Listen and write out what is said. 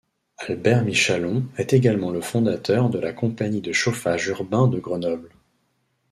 Albert Michallon est également le fondateur de la compagnie de chauffage urbain de Grenoble.